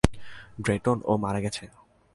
Drayton, ও মারা গেছে!